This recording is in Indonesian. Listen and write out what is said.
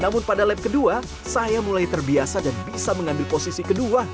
namun pada lab kedua saya mulai terbiasa dan bisa mengambil posisi kedua